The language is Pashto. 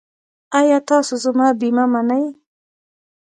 ایا تاسو زما بیمه منئ؟